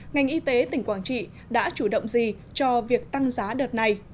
ngành y tế tỉnh quảng trị đã chủ động gì cho việc tăng giá đợt này